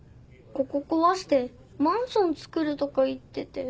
ここ壊してマンション造るとか言ってて。